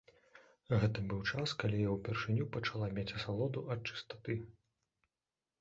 Гэта быў час, калі я ўпершыню пачала мець асалоду ад чыстаты.